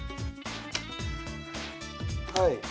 はい。